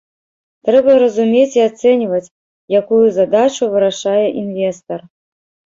Трэба разумець і ацэньваць, якую задачу вырашае інвестар.